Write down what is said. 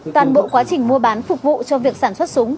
toàn bộ quá trình mua bán phục vụ cho việc sản xuất súng